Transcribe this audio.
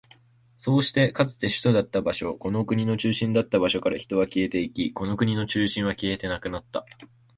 そうして、かつて首都だった場所、この国の中心だった場所から人は消えていき、この国の中心は消えてなくなった。